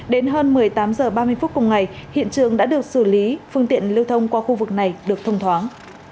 đến hơn một mươi tám h ba mươi phút cùng ngày hiện trường đã được xử lý phương tiện lưu thông qua khu vực này được thông thoáng